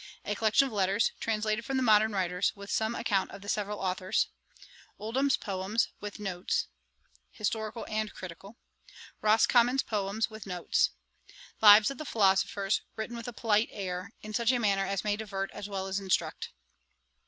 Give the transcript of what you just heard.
'A Collection of Letters, translated from the modern writers, with some account of the several authours. 'Oldham's Poems, with notes, historical and critical. 'Roscommon's Poems, with notes. 'Lives of the Philosophers, written with a polite air, in such a manner as may divert as well as instruct.